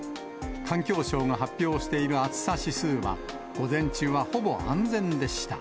環境省が発表している暑さ指数は、午前中はほぼ安全でした。